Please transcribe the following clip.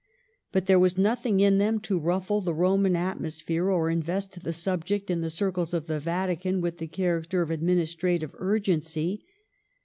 But there GLADSTONE'S BUSY LEISURE 413 was nothing in them to ruffle the Roman atmos phere, or invest the subject in the circles of the Vatican, with the character of administrative urgency.